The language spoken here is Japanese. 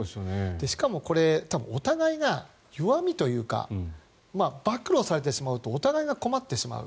しかも、これお互いが弱みというか暴露されてしまうとお互いが困ってしまう。